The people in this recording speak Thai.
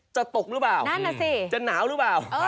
จะตกหรือเปล่าจะหนาวหรือเปล่า